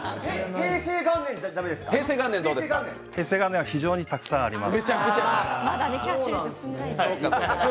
平成元年は非常にたくさんあります。